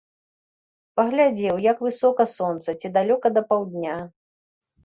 Паглядзеў, як высока сонца, ці далёка да паўдня.